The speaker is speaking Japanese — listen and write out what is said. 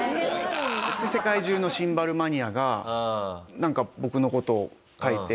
世界中のシンバルマニアがなんか僕の事を書いて。